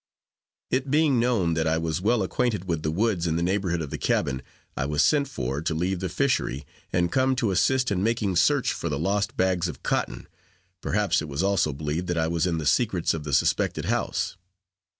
It being known that I was well acquainted with the woods in the neighborhood of the cabin, I was sent for, to leave the fishery, and come to assist in making search for the lost bags of cotton perhaps it was also believed that I was in the secrets of the suspected house.